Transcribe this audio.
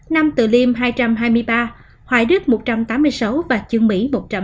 nam tự liêm hai trăm hai mươi ba hoài đức một trăm tám mươi sáu và chương mỹ một trăm tám mươi